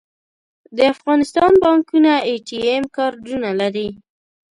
د افغانستان بانکونه اې ټي ایم کارډونه لري